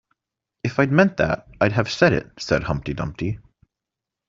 ‘If I’d meant that, I’d have said it,’ said Humpty Dumpty.